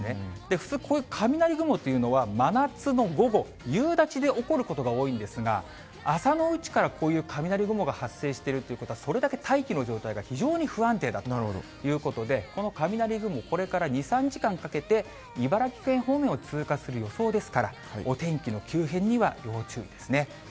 普通、こういう雷雲というのは、真夏の午後、夕立で起こることが多いんですが、朝の内からこういう雷雲が発生しているということは、それだけ大気の状態が非常に不安定だということで、この雷雲、これから２、３時間かけて茨城県方面を通過する予想ですから、お天気の急変には要注意ですね。